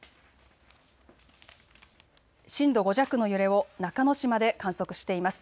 震度５弱の揺れを中之島で観測しています。